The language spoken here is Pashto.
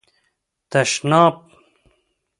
🚾 تشناب